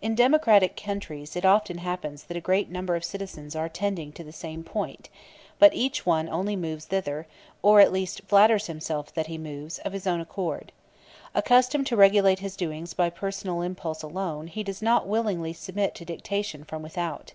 In democratic countries it often happens that a great number of citizens are tending to the same point; but each one only moves thither, or at least flatters himself that he moves, of his own accord. Accustomed to regulate his doings by personal impulse alone, he does not willingly submit to dictation from without.